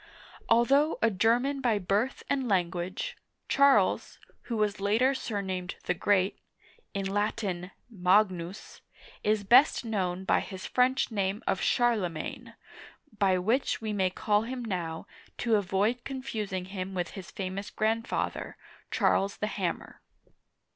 Although a German by birth and language, Charles — who was later surnamed the Great (in Latin Magnus) — is best known by his French name of Charle magne (shar'le man), by which we may call him now, to avoid confusing him with his famous grandfather, Charles the Hammer.